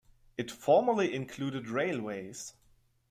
It formerly included railways.